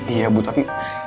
iya bu tapi